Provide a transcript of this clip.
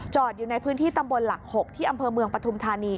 อยู่ในพื้นที่ตำบลหลัก๖ที่อำเภอเมืองปฐุมธานี